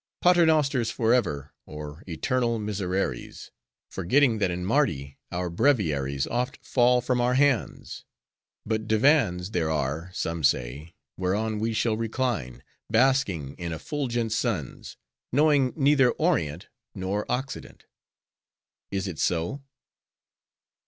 Pater nosters forever, or eternal Misereres! forgetting that in Mardi, our breviaries oft fall from our hands. But divans there are, some say, whereon we shall recline, basking in effulgent suns, knowing neither Orient nor Occident. Is it so?